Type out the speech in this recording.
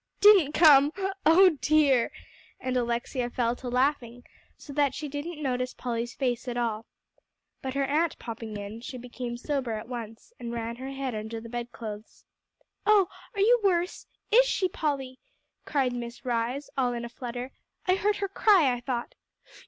"Didn't come? oh dear!" And Alexia fell to laughing so, that she didn't notice Polly's face at all. But her aunt popping in, she became sober at once, and ran her head under the bedclothes. "Oh, are you worse? is she, Polly?" cried Miss Rhys all in a flutter. "I heard her cry, I thought."